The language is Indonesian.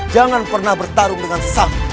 jangan pernah bertarung dengan sam